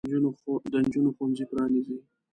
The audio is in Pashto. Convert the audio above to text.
د نجونو ښوونځي پرانیزئ.